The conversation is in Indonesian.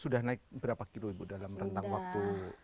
sudah naik berapa kilo ibu dalam rentang waktu